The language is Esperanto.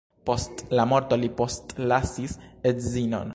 Post la morto li postlasis edzinon.